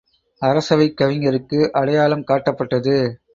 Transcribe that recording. அரசவைக் கவிஞருக்கு அடையாளம் காட்டப்பட்டது.